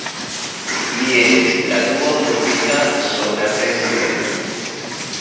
Li estis la dua murdita usona prezidento.